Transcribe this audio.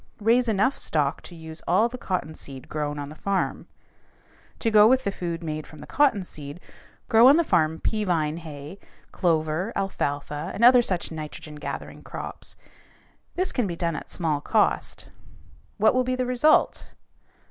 Raise enough stock to use all the cotton seed grown on the farm. To go with the food made from the cotton seed, grow on the farm pea vine hay, clover, alfalfa, and other such nitrogen gathering crops. This can be done at small cost. What will be the result?